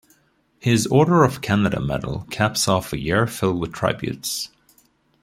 His Order of Canada medal caps off a year filled with tributes.